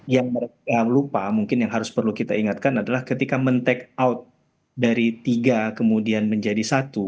yang mereka lupa mungkin yang harus perlu kita ingatkan adalah ketika men take out dari tiga kemudian menjadi satu